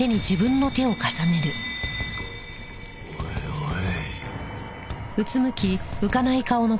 おいおい。